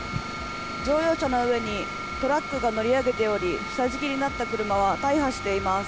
乗用車の上にトラックが乗り上げており、下敷きになった車は大破しています。